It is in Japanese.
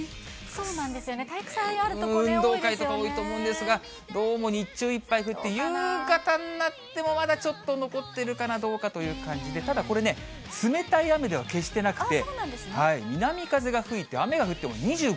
そうですよね、運動会とか、多いと思うんですが、どうも日中いっぱい降って、夕方になっても、まだちょっと降ってるかな、どうかなということで、ただ、これね、冷たい雨では決してなくて。